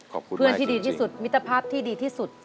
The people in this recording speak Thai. เพื่อนที่ดีที่สุดมิตรภาพที่ดีที่สุด